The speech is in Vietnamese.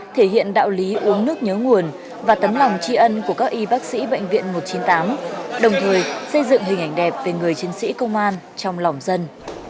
thể hiện đạo lý uống nước nhớ nguồn và tấm lòng tri ân của các y bác sĩ bệnh viện một trăm chín mươi tám đồng thời xây dựng hình ảnh đẹp về người chiến sĩ công an trong lòng dân